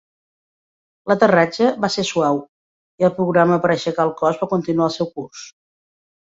L"aterratge va se suau i el programa per aixecar el cos va continuar el seu curs.